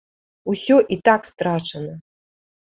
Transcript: Усё і так страчана.